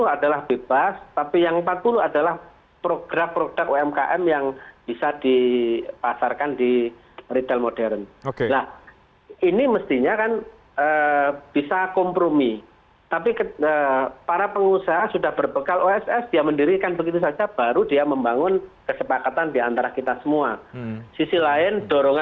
enam puluh adalah bebas tapi yang empat puluh adalah program produk umkm yang bisa dipasarkan di retail modern